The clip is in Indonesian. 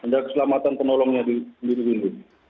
dan keselamatan penolongnya di lirik lirik